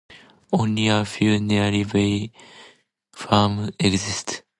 Only a few nearby farms exist.